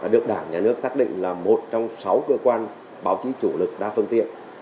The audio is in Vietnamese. được đảng nhà nước xác định là một trong sáu cơ quan báo chí chủ lực đa phương tiện